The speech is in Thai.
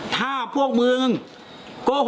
ถ้าพวกมึงโกหก